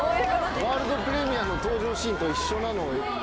ワールドプレミアの登場シーンと一緒。